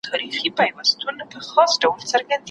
له غړومبي یې رېږدېدل هډ او رګونه